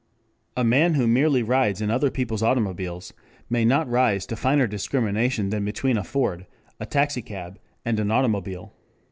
A man who merely rides in other people's automobiles may not rise to finer discrimination than between a Ford, a taxicab, and an automobile.